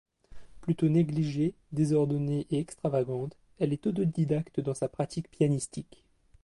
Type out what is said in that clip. Plutôt négligée, désordonnée et extravagante, elle est autodidacte dans sa pratique pianistique.